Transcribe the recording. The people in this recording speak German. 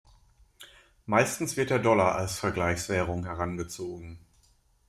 Meistens wird der Dollar als Vergleichswährung herangezogen.